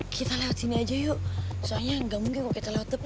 kita lewat sini aja yuk soalnya nggak mungkin kalau kita lewat depan